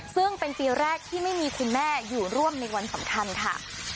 ซึ่งเป็นปีแรกที่ไม่มีคุณแม่อยู่ร่วมในวันสำคัญค่ะ